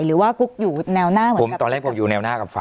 หรือกุ๊กอยู่แนวหน้า